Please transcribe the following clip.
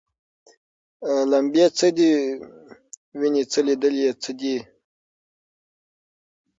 لمبې څه دي ویني څه لیدل یې څه دي